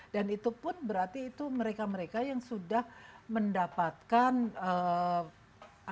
dan itu pun berarti itu mereka mereka yang sudah mendapatkan kesulitan